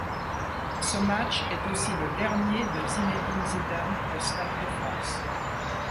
Ce match est aussi le dernier de Zinédine Zidane au Stade de France.